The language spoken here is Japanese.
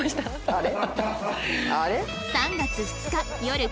あれ？